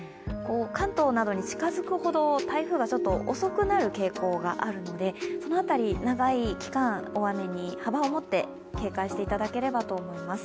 関東などに近づくほど台風が遅くなる傾向があるので、そのあたり、長い期間、大雨に幅を持って警戒していただければと思います。